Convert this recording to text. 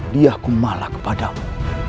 lihatku malah kepadamu